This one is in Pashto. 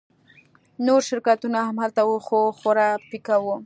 نور شرکتونه هم هلته وو خو خورا پیکه وو